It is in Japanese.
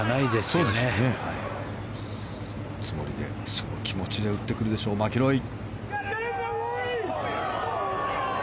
そのつもりでその気持ちで打ってくるでしょうマキロイ。